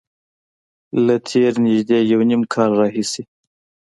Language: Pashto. له تېر نږدې یو نیم کال راهیسې